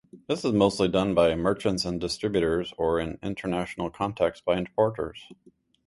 This is mostly done by merchants or distributors, or in international context by importers.